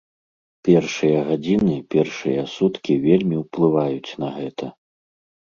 Першыя гадзіны, першыя суткі вельмі ўплываюць на гэта.